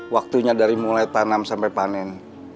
waktunya dari mulai tanam sampai panen